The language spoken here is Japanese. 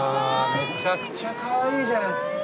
むちゃくちゃかわいいじゃないですか！